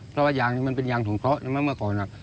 เพราะว่ายางนี้มันเป็นยางถุงเคราะห์ใช่ไหมเมื่อก่อน